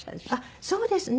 そうですね。